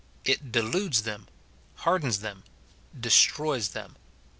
It deludes them, hardens them, — destroys them.